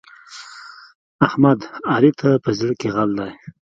احمد؛ علي ته په زړه کې غل دی.